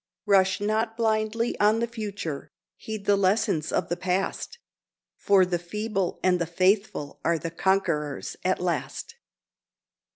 Rush not blindly on the future! heed the lessons of the past! For the feeble and the faithful are the conquerors at last."